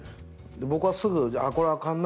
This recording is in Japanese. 僕はすぐ「これはアカンな。